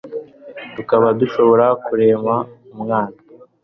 tukaba dushobora kurema umwana